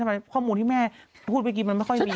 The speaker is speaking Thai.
ข้อมูลที่แม่พูดเมื่อกี้มันไม่ค่อยมี